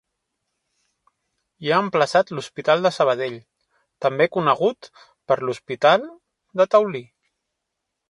Hi ha emplaçat l'Hospital de Sabadell, també conegut per Hospital del Taulí.